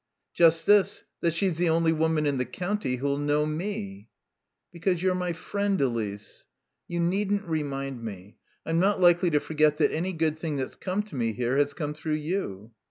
"Just this, that she's the only woman in the county who'll know me." "Because you're my friend, Elise." "You needn't remind me. I'm not likely to forget that any good thing that's come to me here has come through you."